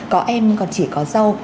có em còn chỉ có rau